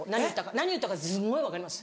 何言ったかすごい分かります。